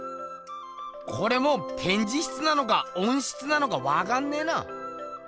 これもうてんじ室なのかおん室なのかわかんねえな。